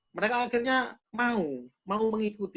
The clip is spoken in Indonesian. mereka akhirnya mau mau mengikuti